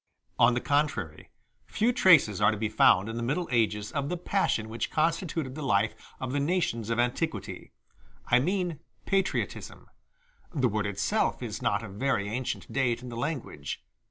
On the contrary, few traces are to be found in the Middle Ages of the passion which constituted the life of the nations of antiquity I mean patriotism; the word itself is not of very ancient date in the language.